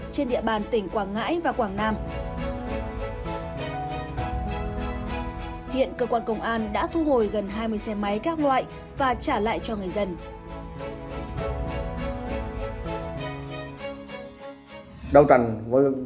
trên địa bàn tỉnh quảng ngãi và quảng ngãi